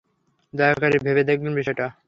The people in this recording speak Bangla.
দয়া করে ভেবে দেখবেন বিষয়টা।